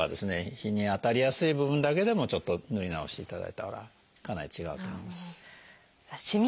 日に当たりやすい部分だけでもちょっと塗り直していただいたらかなり違うと思います。